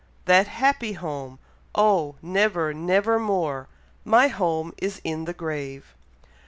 That happy home! Oh! never never more, my home is in the grave."